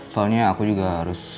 soalnya aku juga harus